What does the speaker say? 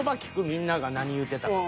みんなが何言うてたか。